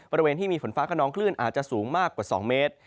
บริเวณที่มีฝนฟ้าขนองคลื่นอาจจะสูงมากกว่า๒เมตร